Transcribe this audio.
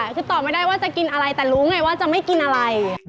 คือตอบไม่ได้ว่าจะกินอะไรแต่รู้ไงว่าจะไม่กินอะไร